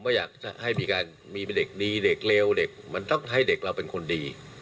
ก็อยากจะให้มีการมีเด็กดีเด็กเร็วเด็กมันต้องให้เด็กเราเป็นคนดี